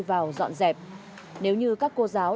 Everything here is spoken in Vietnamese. vào dọn dẹp nếu như các cô giáo